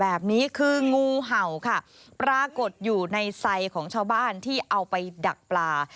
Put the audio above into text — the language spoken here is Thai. แบบนี้คืองูเห่าค่ะปรากฏอยู่ในไซดของชาวบ้านที่เอาไปดักปลา